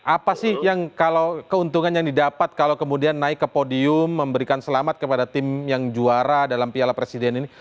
apa sih yang kalau keuntungan yang didapat kalau kemudian naik ke podium memberikan selamat kepada tim yang juara dalam piala presiden ini